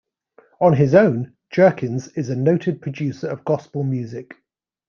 On his own, Jerkins is a noted producer of gospel music.